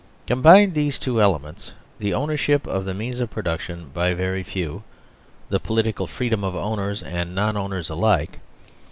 Combine these two elements : the ownership of the means of production by a very few ; the political free dom of owners and non owners alike.